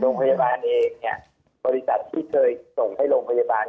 โรงพยาบาลเองเนี่ยบริษัทที่เคยส่งให้โรงพยาบาล